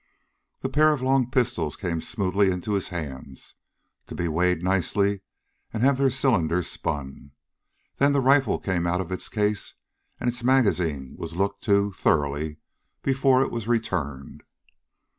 The pair of long pistols came smoothly into his hands, to be weighed nicely, and have their cylinders spun. Then the rifle came out of its case, and its magazine was looked to thoroughly before it was returned.